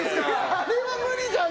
あれは無理じゃん！